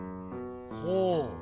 ほう。